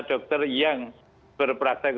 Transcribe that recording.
dokter yang berpraktek